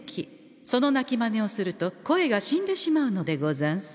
その鳴きマネをすると声が死んでしまうのでござんす。